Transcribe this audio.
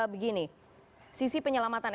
begini sisi penyelamatan